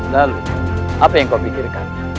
lalu apa yang kau pikirkan